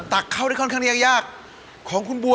ถ้าเบอร์สีในคริสต์มัสเป็นไง